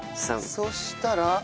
そしたら。